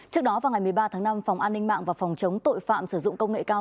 trước đó vào ngày một mươi ba tháng năm phòng an ninh mạng và phòng chống tội phạm sử dụng công nghệ cao